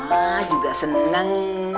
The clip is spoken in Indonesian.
emang juga seneng